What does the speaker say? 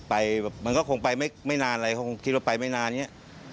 ไปแบบมันก็คงไปไม่นานอะไรเขาคงคิดว่าไปไม่นานอย่างนี้